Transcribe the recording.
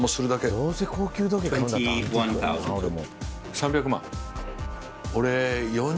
３００万。